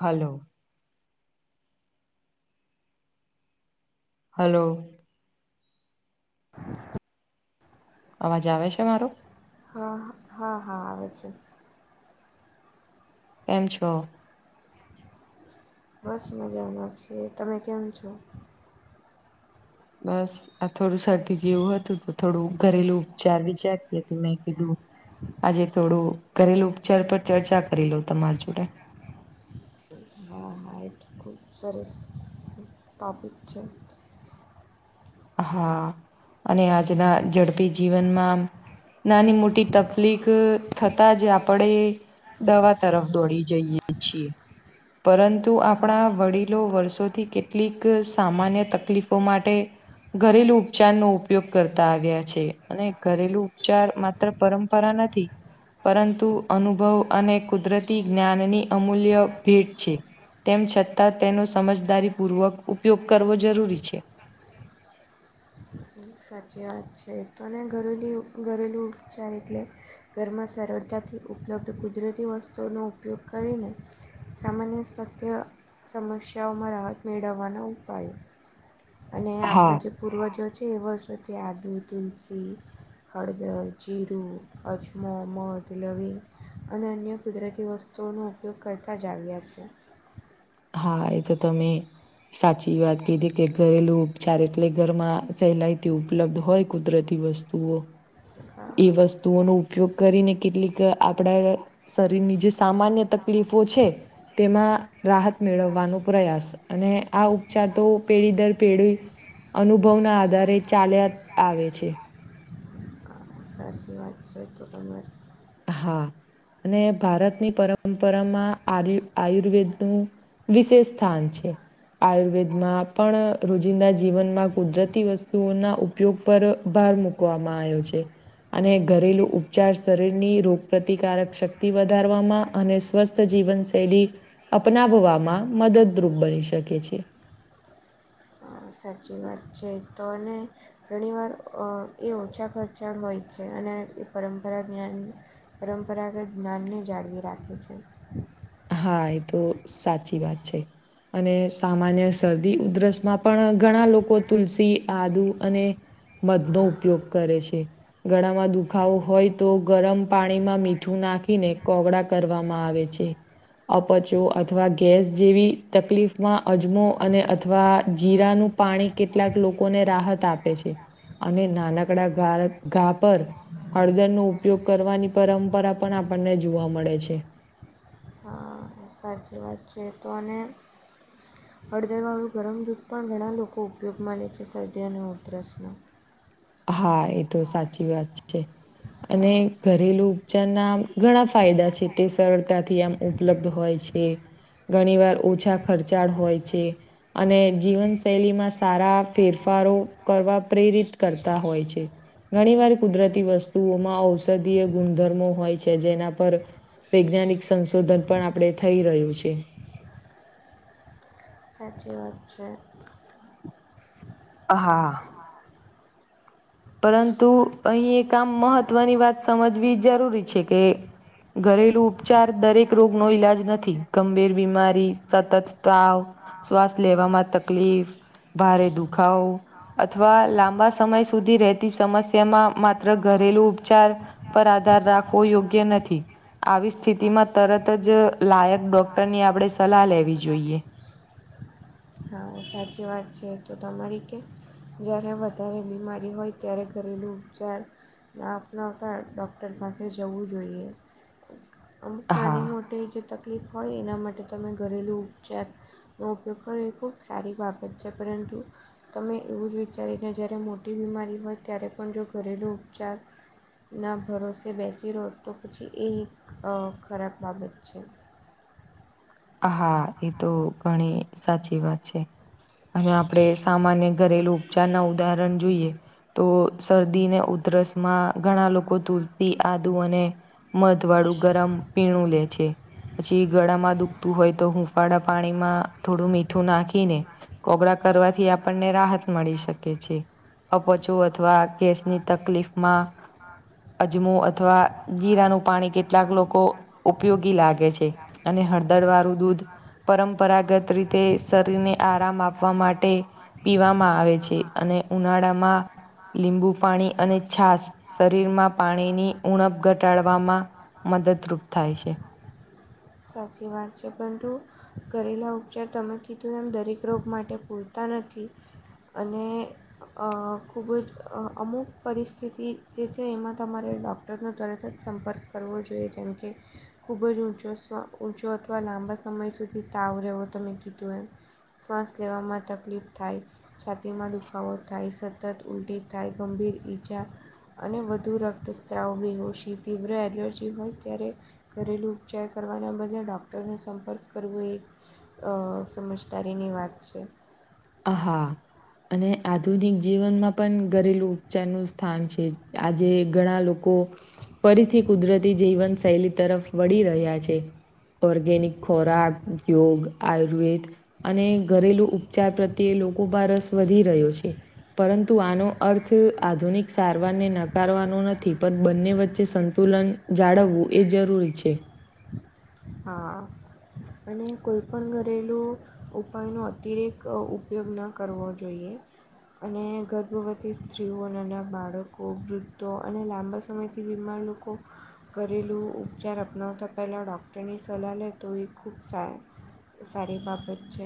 Hello. Hello. [unintelligible] અવાજ આવે છે મારો હા હા હા આવે છે. એમ છો. બસ મજામાં છીએ તમે કેમ છો. બસ. આ થોડું શરદી જેવું હતું તો થોડું ઘરેલું ઉપચાર વિચારતી હતી મેં કીધું. આજે થોડું ધરેલું ઉપચાર પર ચર્ચા કરી લઉ તમારે જોડે હા હા એ. ખૂબ સરસ ટૉપિક છે. હા અને આજના ઝડપી જીવનમાં આમ નાની મોટી તકલીક થતાં જ આપણેે દવા તરફ દોડી જઈએ છીએ પરંતુ આપણા હા વડીલો વર્ષોથી કેટલીક સામાન્ય તકલીફો માટે ઘરેલુ ઉપચાર નો ઉપયોગ કરતા આવ્યા છે અને ઘરેલુ ઉપચાર માત્ર પરંપરા નથી પરંતુ અનુભવ અને કુદરતી જ્ઞાનની અમૂલ્ય ભેટ છે. તેમ છતાં તેનો સમજદારીપૂર્વક ઉપયોગ કરવો જરૂરી છે. સાચી વાત છે તોને ઘરેલુ ઘરેલુ ઉપચાર એટલે ઘરમાં સરળતાથી ઉપલબ્ધ કુદરતી વસ્તુઓનો ઉપયોગ કરીને સામાન્ય સ્વાસ્થ્ય સમસ્યાઓમાં રાહત મેળવવાના ઉપાયો અને હા આપણા જે પૂર્વજો છે એ વર્ષોથી આદુ તુલસી હળદર જીરું અજમો મધ લવીગ અને અન્ય કુદરતી વસ્તુ તોનો ઉપયોગ કરતાં જ આવ્યા છે. હા એ તો તમે. સાચી વાત કિધી કે ઘરેલું ઉપચાર એટલે ઘરમાં સહેલાઈથી ઉપલબ્ધ હોય કુદરતી વસ્તુ એ વસ્તુઓનો ઉપયોગ કરીને કેટલીક આપડા શરીરની જે સામાન્ય તકલીફો છે તેમાં રાહત મેળવવાનો પ્રયાસ અને આ ઉપચાર તો પેઢી દર પેઢી અનુભવ ના આધારે ચાલ્યા આવે છે. આજે વાત છે તો તમે હા અને ભારતની પરંપરામાં આર આયુર્વેદનું. વિશેષ સ્થાન છે. આયુર્વેદમાં પણ રોજિંદા જીવનમાં કુદરતી વસ્તુઓના ઉપયોગ પર ભાર મૂકવામાં આવ્યો છે અને ઘરેલુ ઉપચાર શરીર ની રોગ પ્ર્રતિકારક શક્તિ વધારવામાં અને સ્વસ્થ જીવન શૈલી અપનાવવામાં મદદરૂપ બની શકે છે. સાચી વાત છે તોને ઘણીવાર અ એ ઓછા ખચામા હોય છે અને એ પરંપરા જ્ઞાન પરંપરાગત જ્ઞાનને જાળવી રાખે છે. હા એ તો સાચી વાત છે. અને સામાન્ય શરદી ઉધરસમાં પણ ઘણા લોકો તુલસી આદુ અને મધ નો ઉપયોગ કરે છે. ગળામાં દુખાવો હોય, તો ગરમ પાણીમાં મીઠું નાખીને, કોગળા કરવામાં આવે છે. અપચ્યો અથવા ગેસ જેવી તકલીફમાં અજમો અને અથવા જીરાનું પાણી કેટલાક લોકોને રાહત આપે છે, અને નાનકડા ઘા પર હળદરનો ઉપયોગ કરવાની, પરંપરા પણ આપણને જોવા મળે છે. [unintelligible] સાચી વાત છે તો. [unintelligible] હળદરવાળું ગરમ દૂધ પણ ઘણા લોકો ઉપયોગમા લે છે, શરદી અને ઉધરસનો હા, એ તો સાચી વાત છે. અને ઘરેલુ ઉપચાર ના ઘણા ફાયદા છે, તે સરળતાથી આમ ઉપલબ્ધ હોય છે. ઘણી વાર ઓછા ખર્ચાળ હોય છે. અને જીવનશૈલીમાં સારા ફેરફારો કરવા પ્રેરિત કરતા હોય છે. ઘણી વાર કુદરતી વસ્તુઓમાં ઔષધીય ગુણધર્મો હોય છે, જેના પર વૈજ્ઞાનિક સંશોધન પણ આપણે થઈ રહ્યું છે. સાચી વાત છે. [unintelligible] પરંતુ અહીં એ આામ મહત્વની વાત સમજવી જરૂરી છે કે ઘરેલું ઉપચાર દરેક રોગ નો ઈલાજ નથી, ગંભીર બીમારી સતત તાવ શ્વાસ લેવામાં તકલીફ ભારે દુખાવ અથવા લાંબા સમય સુધ સુધી રહેતી, સમસ્યામાં માત્ર ઘરેલુ ઉપચાર પર આધાર રાખવો યોગ્ય નથી. આવી સ્થિતિમાં તરત જ લાયક ડોક્ટરની આપણેે સલાહ લેવી જોઈએ. હા, સાચી વાત છે, જો તમારી કે જ્યારે વધારે બીમારી હોય, ત્યારે ઘરેલુ ઉપચાર આપના આવતા ડૉક્ટર પાસે જવું જોઈએ. અમુક નાને હા મોટે જે ત તકલીફ હોય, એના માટે તમે ઘરેલુ ચેપનો ઉપયોગ કરી શકો. સારી બાબત છે, પરંતુ તમે એવું જ વિચારીને, જ્યારે મોટી બીમારી હોય, ત્યારે પણ જો ઘરેલુ ઉપચાર ના, ભરોસે બેસી રહો તો, પછી એ એક ખરાબ બાબત છે. હા, એ તો ઘણી સાચી વાત છે. અને આપણે સામાન્ય ઘરેલુ ઉપચાર ના ઉદાહરણ જોઈએ. તો શરદીને, ઉધરસ માં ઘણા લોકો ધૂરતી આદુ અને મધ વાળું ગરમ પીણું લે છે, પછી ગળામાં દુ હોય તો, હુંફાળા પાણીમાં થોડું મીઠું નાખીને. કોગળા કરવાથી, આપણને રાહત મળી શકે છે, અપચું અથવા કેસની તકલીફમાં અજમું અથવા જીરાનું પાણી કેટલાક લોકો ઉપયોગી લાગે છે, અને હળદર વાળું દૂધ પરંપરાગત રીતે શરીરને આરામ આપવા માટે પીવામાં આવે છે, અને ઉનાળામાં [unintelligible] લીંબુ પાણી અને છાસ શરીરમાં પાણીની ઉણપ ઘટાડવામાં મદદરૂપ થાય છે. સાથી વાત છે બંતું કરેલા ઉપચાર તમે કીધું એમ દરેક રોગ માટે પૂરતા નથી. અને અ ખૂબ જ અ અમુક પરિસ્થિતિ જે છે એમાં તમારે ડૉક્ટરનો તરત જ સંપર્ક કરવો જોઈએ જેમ કે ખૂબ જ ઊંચો ઊંચો અથવા લાંબા સમય સુધી તાવ રહેવો તમે કીધું એમ. શ્વાસ લેવામાં તકલીફ થાય, છાતીમાં દુખાવો થાય, સતત ઉલટી કાય ગંભીર ઈજા અને વધુ રક્તસ્ત્રાવ બી હોશી તીવ્ર એલર્જી હોય ત્યારે ઘરેલુ ઉપચાર કરવાના બદલે ડોક્ટરને સંપર્ક કરવો એક સમજદારીની વાત છે. હ હા અને આધુનિક જીવનમાં પણ ઘરેલુ ઉપચાર નું સ્થાન છે, આજે ઘણા લોકો લોકો ફરીથી કુદરતી જીવન શૈલી તરફ વળી રહ્યા છે. ઓર્ગેનિક ખોરાક, યોગ, આયુર્વેદ અને ઘરેલુ ઉપચાર ચાર પ્રત્યે લોકો પર રસ વધી રહ્યો છે. પરંતુ આનો અર્થ આધુનિક સારવારને નકારવાનો નથી, પણ બંને વચ્ચે સંતુલન જાળવવું એ જરૂરી છે. હા અને કોઈ પણણ ઘરેલું ઉપાયનો અતિરેક ઉપયોગ ન કરવો જોઈએ. અને ગર્ભવતી સ્ત્રીઓ અને નાના બાળકો વૃદ્ધો અને લાંબા સમયથી બીમાર લોકો ઘેરેલું ઉપચાર અપનાવતા પહેલાં ડોક્ટર તેની સલાહ લે તો એ ખૂબ સ સારી બાબત છે.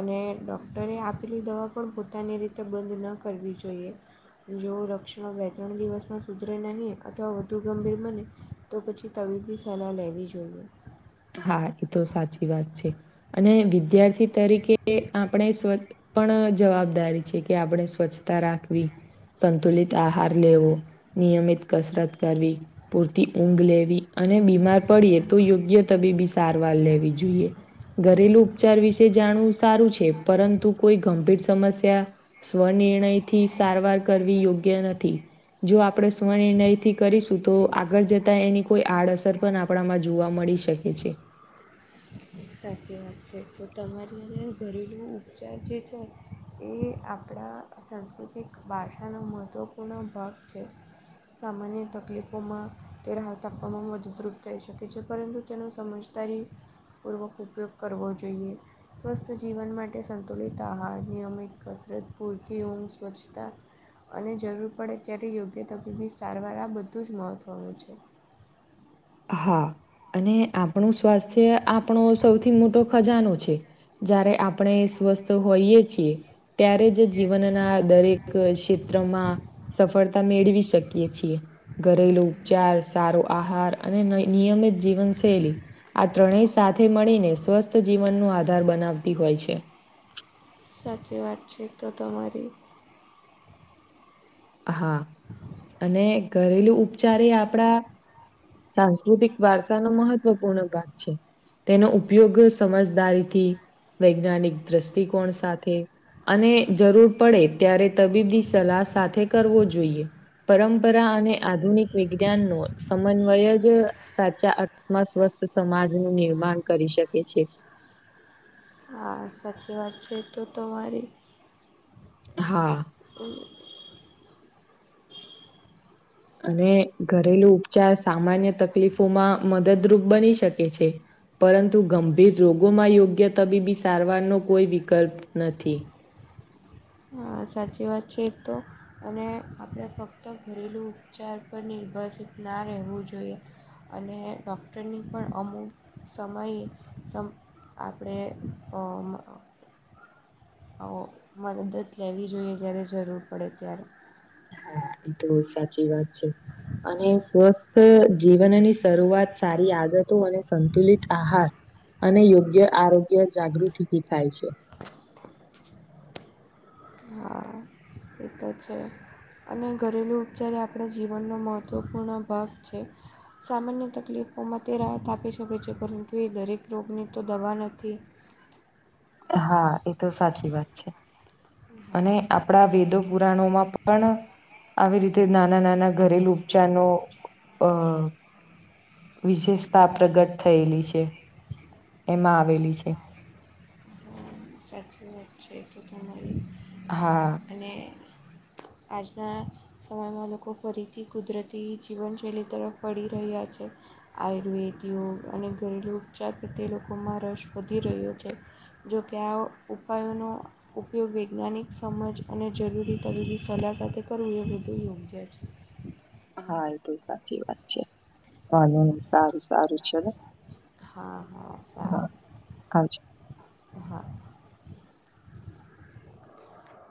અને ડોક્ટરે આપેલી દવા પણ પોતાની રીતે બંધ ન કરવી જોઈએ. જો રક્ષણ બે ત્રણ દિવસમાં સુધરે નહીં અથવા વધુ ગંભીર બને તો પછી તવીી બી સલાહ લેવી જોઈએ. હા એ તો સાચી વાત છે. અને વિદ્યાર્થી તરીકે આપણે સ્વ પણ જવાબદારી છે કે આપણે સ્વચ્છતા રાખવી. સંતુલિત આહાર લેવો નિયમિત કસરત કરવી. પૂરતી ઊંઘ લેવી અને બીમાર પડીએ તો યોગ્ય તબીબી સારવાર લેવી જોઈએ. ઘરેલુ ઉપચાર વિશે જાણવું સારું છે પરંતુ કોઈ ગંભીર સમસ્યા સ્વનિર્ણય થી સારવાર કરવી યોગ્ય નથી. જો આપણે સ્વનિર્ણયથી કરીશું તો આગળ જતા એની કોઈ આડઅસર પણ આપણામાં જોવા મળી શકે. હ છે. સાચી વાત છે. તો તમારી અંદ ઘરેલું ઉપચાર જે છે એ આપણા સાંસ્કૃતિક ભાષાનો મહત્ત્વપૂર્ણ ભાગ છે. સામાન્ય તકલીફોમાં તે હાલ તાપવામાં વધુ દ્રુપ થઈ શકે છે પરંતુ તેનો સમજ તારીપૂર્વક ઉપયોગ કરવો જોઈએ. સ્વસ્થ જીવન માટે સંતુલિત આહાર, નિયમિત કસરત, પૂરતી ઊંમ સ્વચ્છતા અને જરૂર પડે ત્યારે યોગ્ય તબીબી સારવાર આ બધું જ મહત્વનું છે. હા અને આપણું સ્વાસ્થ્ય આપણો સૌથી મોટો ખજાનો છે. જય્યારે આપણે સ્વસ્થ હોઈએ છીએ. ત્યારે જ જીવનના દરેક ક્ષેત્રમાં સફળતા મેળવી શકીએ છીએ, ઘરેલુ ઉપચાર, સારો આહાર અને નઈ-નિયમિત જીવનશૈલી. આ ત્રણેય સાથે મળીને સ્વસ્થ જીવનનો આધાર બનાવતી હોય છે. સાચી વાત છે તો તમારી. હા અને ઘરેલુ ઉપચાર એ આપડા સાંસ્કૃતિક વારસાનો મહત્વપૂર્ણ ભાગ છે. તેનો ઉપયોગ સમજદારીથી વૈજ્ઞાનિક દ્રષ્ટિકોણ સાથે અને જરૂર પડે ત્યારે તબીબની સલાહ સાથે કરવો જોઈએ. પરંપરા અને આ વિજ્ઞાનનો સો મન્વય જ સાચા આત્મ સ્વસ્થ સમાજનું નિર્માણ કરી શકે છે. હા, સાચી વાત છે તે તો મારી. હા. હમ્મ. અને ઘરેલુ ઉપચાર સામાન્ય તકલીફોમાં મદદરૂપ બની શકે છે. પરંતુ ગંભીર રોગોમાં યોગ્ય તબીબી સારવારનો કોઈ વિકલ્પ નથી. હા, સાચી વાત છે એ તો. અને આપડે ફક્ત ઘરેલુ ઉપચાર પર નિર્ભર ના રહેવું જોઈએ. અને ડૉક્ટરની પણ અમુક સમયે સમ આપડે અમ અહ ઓ મદદ લેવી જોઈએ જ્યારે જરૂર પડે ત્યારે. હા, એ તો સાચી વાત છે અને સ્વસ્થ થ જીવનની શરૂઆત સારી આદતો અને સંતુલિત આહાર અને યોગ્ય આરોગ્ય જાગૃતિથી થાય છે. હા. એ તો છે અને ઘરેલુ ઉપચાર એ આપડા જીવનનો મહત્ત્વપૂર્ણ નું ભાગ છે. સામાન્ય તકલીફોમાં તે રાહત આપી શકે છે પરંતુ એ દરેક રોગની તો દવા નથી. હા, એ તો સાચી વાત છે. હા અને હા, આપડા વેદો પુરાણોમાં પણ આવી રીતે નાના નાના ઘરેલુ ઉપચારનો અહ વિશેષતા પ્રગટ થયેલી છે, એમાં આવેલી છે. સાચી વાત છે એ તો તમારી. હા. અને આજના સમયમાં લોકો ફરીથી કુદરતી જીવનશૈલી તરફ વડી રહ્યા છે. આયુર્વેદ, યોગ અને ઘરેલુ ઉપચાર પ્રતે લોકોમાં રસ વધી રહ્યો છે. જોકે આ ઉપાયોનો ઉપયોગ વૈજ્ઞાનિક સમજ અને જરૂરી તબીબી સલાહ સાથે કરવું એ વધુ યોગ્ય છે. હા, એ તો સાચી વાત છે. અને એમ સારું સારું ચલો. હા હા હા સારું આવજો. હા.